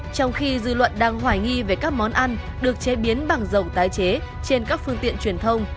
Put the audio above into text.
trong khi dư luận đang hoài nghi về các món ăn được chế biến bằng dầu tái chế trên các phương tiện truyền thông